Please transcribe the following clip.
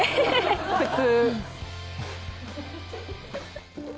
普通。